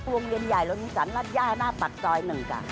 วงเย็นใหญ่ลงจานรัดย่าหน้าปัจจอยหนึ่งค่ะ